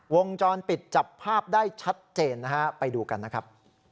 วงจรปิดจับภาพได้ชัดเจนนะฮะไปดูกันนะครับ